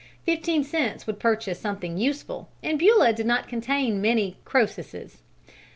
Fifteen cents would purchase something useful, and Beulah did not contain many Croesuses.